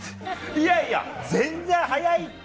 いやいや全然早いって。